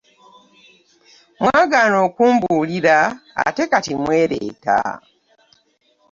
Mwagaana okumbuulira ate kati mwereeta.